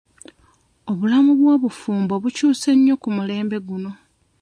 Obulamu bw'obufumbo bukyuse nnyo ku mulembe guno.